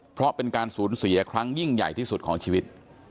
เพราะเป็นการสูญเสียครั้งยิ่งใหญ่ที่สุดของชีวิต